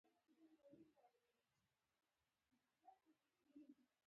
ځینې د څلورو نسلونو راهیسې اوسېدل.